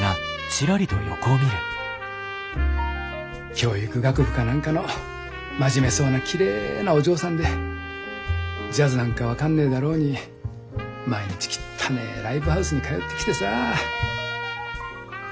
教育学部か何かの真面目そうなきれいなお嬢さんでジャズなんか分かんねえだろうに毎日きったねえライブハウスに通ってきてさあ。